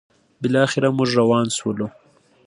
بالاخره موږ روان شولو: